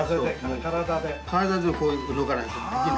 体で体でこう動かないとできない。